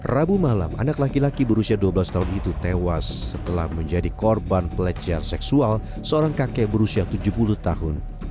rabu malam anak laki laki berusia dua belas tahun itu tewas setelah menjadi korban pelecehan seksual seorang kakek berusia tujuh puluh tahun